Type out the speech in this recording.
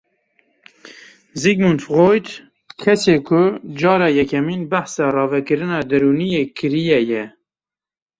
Sigmund Freud kesê ku cara yekemîn behsa ravekirina derûniyê kiriye ye.